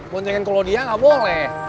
boncengin kalau dia nggak boleh